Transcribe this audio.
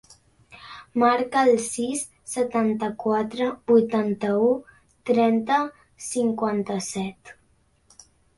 Marca el sis, setanta-quatre, vuitanta-u, trenta, cinquanta-set.